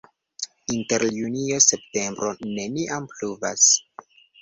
Inter junio-septembro neniam pluvas.